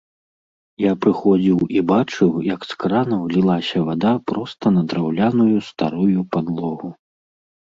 Я прыходзіў і бачыў, як з кранаў лілася вада проста на драўляную старую падлогу.